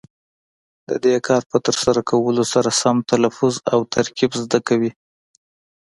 د دې کار په ترسره کولو سره سم تلفظ او ترکیب زده کوي.